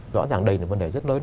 rõ ràng đây là vấn đề rất lớn